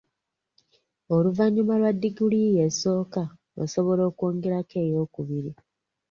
Oluvannyuma lwa diguli yo esooka, osobola okwongerako ey'okubiri.